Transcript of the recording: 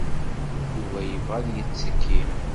Yuba yebɣa ad yettekki.